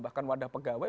bahkan wadah pegawai